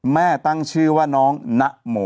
แม่ตั้งชื่อว่าน้องนะโม